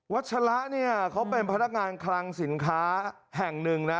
วัชละเนี่ยเขาเป็นพลักงานคลังสินค้าแห่ง๑นะ